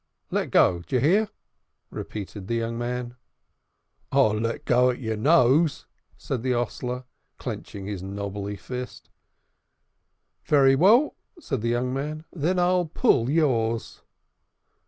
"Let go, d'you hear?" repeated the young man. "I'll let go at your nose," said the hostler, clenching his knobby fist. "Very well," said the young man. "Then I'll pull yours."